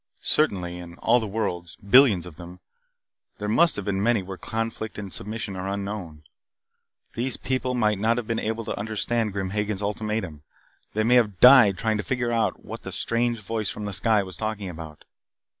Certainly, in all the worlds, billions of them, there must be many where conflict and submission are unknown. These people might not have been able to understand Grim Hagen's ultimatum. They may have died trying to figure out what the strange voice from the sky was talking about.